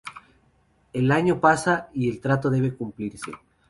El año pasa y el trato debe cumplirse.